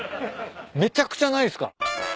めちゃくちゃないっすか？